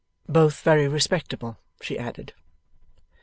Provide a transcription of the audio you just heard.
Both very respectable, she added.